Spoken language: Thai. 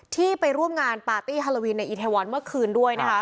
ที่ไปร่วมงานปาร์ตี้ฮาโลวีนในอีเทวอนเมื่อคืนด้วยนะคะ